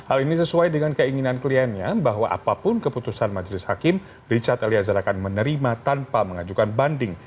hal ini sesuai dengan keinginan kliennya bahwa apapun keputusan majelis hakim richard eliezer akan menerima tanpa mengajukan banding